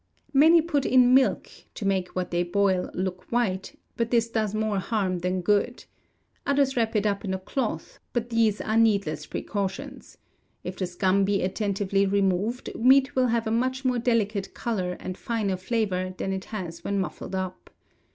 Many put in milk, to make what they boil look white, but this does more harm than good; others wrap it up in a cloth; but these are needless precautions; if the scum be attentively removed, meat will have a much more delicate colour and finer flavour than it has when muffled up.